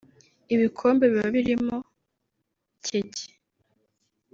ibikombe biba birimo; keke